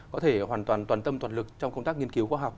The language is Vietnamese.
có thể hoàn toàn toàn tâm toàn lực trong công tác nghiên cứu khoa học